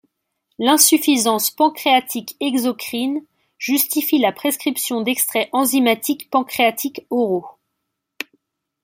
L’insuffisance pancréatique exocrine justifie la prescription d’extraits enzymatiques pancréatiques oraux.